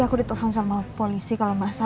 aku di telpon sama polisi kalau masa